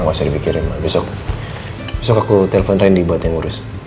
gak usah dibikirin ma besok aku telepon randy buat yang urus